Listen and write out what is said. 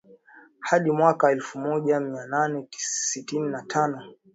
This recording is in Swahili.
hadi mwaka elfumoja mianane sitini na tano